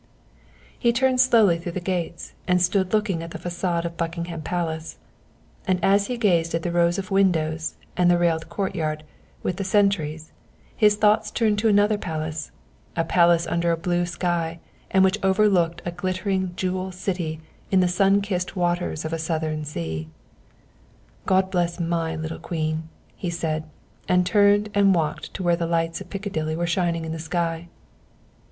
He turned slowly through the gates, and stood looking at the façade of Buckingham Palace. And as he gazed at the rows of windows and at the railed courtyard, with the sentries, his thoughts turned to another palace, a palace under a blue sky and which overlooked a glittering jewel city in the sun kissed waters of a southern sea. "God bless my little Queen," he said, and turned and walked to where the lights of Piccadilly were shining in the sky.